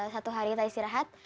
satu hari kita istirahat